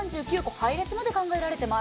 配列まで考えられています。